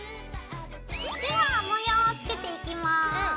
では模様をつけていきます。